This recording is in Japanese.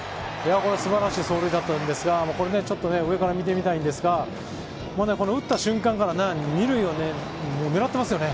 すばらしい走塁だったんですが、ちょっと上から見てみたいんですが、打った瞬間から二塁を狙ってますよね。